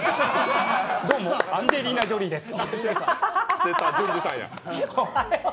どうも、アンジェリーナ・ジョリーです、アハハハ！